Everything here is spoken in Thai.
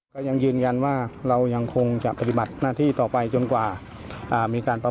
นำรถสว่างมาคอยอำนวยความสะดวกในการค้นหาช่วงกลางคืนด้วย